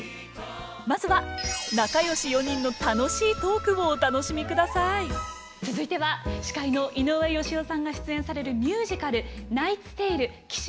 まずは仲良し４人の楽しいトークをお楽しみ下さい続いては司会の井上芳雄さんが出演されるミュージカル「ナイツ・テイル−騎士物語−」から堂本光一さん